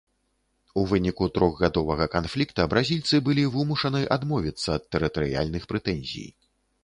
У выніку трохгадовага канфлікта бразільцы былі вымушаны адмовіцца ад тэрытарыяльных прэтэнзій.